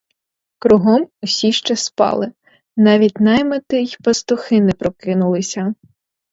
Кругом усі ще спали, навіть наймити й пастухи не прокинулися.